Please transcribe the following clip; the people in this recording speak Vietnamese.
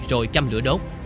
rồi chăm lửa đốt